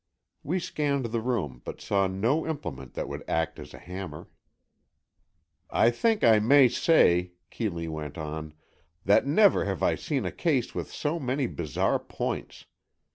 We scanned the room, but saw no implement that would act as a hammer. "I think I may say," Keeley went on, "that never have I seen a case with so many bizarre points.